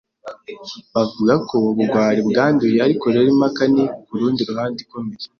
Bavuga ko ubugwari bwanduye; ariko rero impaka ni, kurundi ruhande, ikomeye